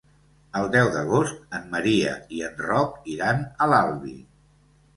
El deu d'agost en Maria i en Roc iran a l'Albi.